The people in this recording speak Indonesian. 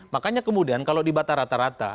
makanya kemudian kalau di batarata rata